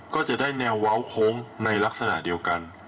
ก็จะได้แนวเว้าโค้งในลักษณะเดียวกัน